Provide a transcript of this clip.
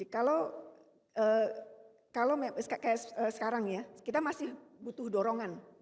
kalau sekarang ya kita masih butuh dorongan